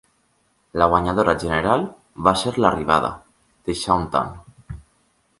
La guanyadora general va ser "La Arribada" de Shaun Tan.